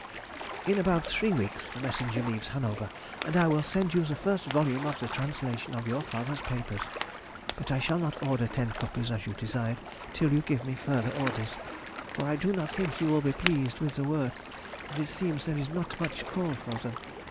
In about three weeks the messenger leaves Hanover, and I will send you the first volume of the translation of your father's papers; but I shall not order ten copies as you desired, till you give me further orders, for I do not think you will be pleased with the work, and it seems there is not much call for them.